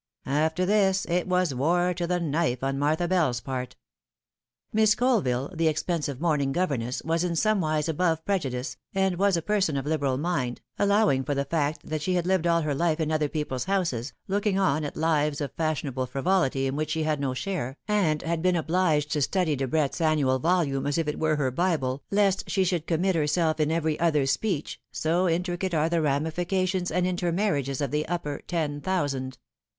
24 The Fatal Three. After this it was war to the knife on Martha Bell's part. Miss Colville, the expensive morning governess, was in some wise above prejudice, and was a person of liberal mind, allowing for the fact that she had lived all her life in other people's houses, looking on at lives of fashionable frivolity in which she had no share, and had been obliged to study Debrett's annual volume as if it were her Bible, lest she should commit herself in every other speech, so intricate are the ramifications and inter marriages of the Upper Ten Thousand.